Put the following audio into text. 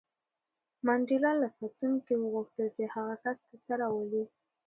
منډېلا له ساتونکي وغوښتل چې هغه کس دلته راولي.